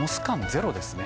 ゼロですね